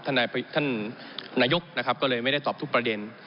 ท่านนายกนะครับก็เลยไม่ได้ตอบทุกประเด็น